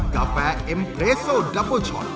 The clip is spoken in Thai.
กาแฟเอ็มเรสโซนดัปเปอร์ช็อต